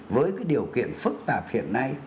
với cái điều kiện phức tạp hiện nay